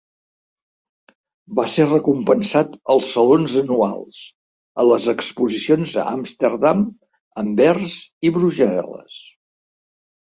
Va ser recompensat als salons anuals, a les exposicions a Amsterdam, Anvers i Brussel·les.